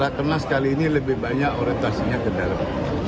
rakernas kali ini lebih banyak orientasinya ke dalam